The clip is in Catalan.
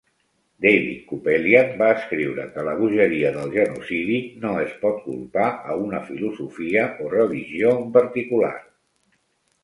David Kupelian va escriure que la bogeria del genocidi no es pot culpar a una filosofia o religió en particular.